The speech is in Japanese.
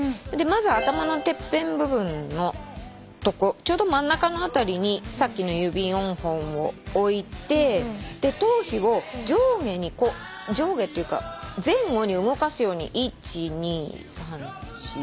まず頭のてっぺん部分のとこちょうど真ん中の辺りにさっきの指４本を置いて頭皮を上下に上下っていうか前後に動かすように１・２・３・４・５。